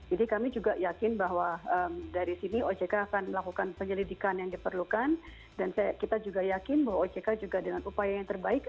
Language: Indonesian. jadi kami juga yakin bahwa dari sini ojk akan melakukan penyelidikan yang diperlukan dan kita juga yakin bahwa ojk juga dengan upaya yang terbaik